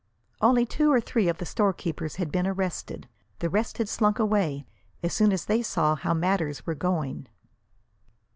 Only two or three of the storekeepers had been arrested. The rest had slunk away, as soon as they saw how matters were going.